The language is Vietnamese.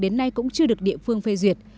điều này cũng chưa được địa phương phê duyệt